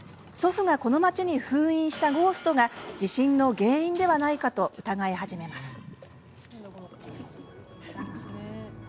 祖父がこの町に封印したゴーストが地震の原因ではないかと疑い始めます。